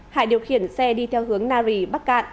hải điều khiển xe đi theo hướng nari bắc cạn